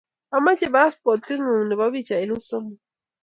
ameche paspotit ng'ung' nebo pichaisiek somok